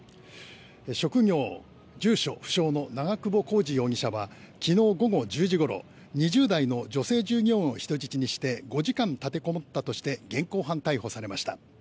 職業・住所不詳の長久保浩二容疑者は昨日午後１０時ごろ２０代の女性従業員を人質にして５時間立てこもったとして現行犯逮捕されました。